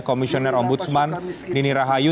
komisioner om budsman nini rahayu